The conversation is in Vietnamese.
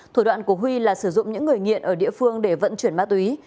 thủ đoạn của huy là sử dụng những người nghiện ở địa phương để vận chuyển ma túy